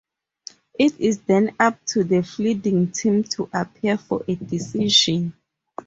It is then up to the fielding team to appeal for a decision.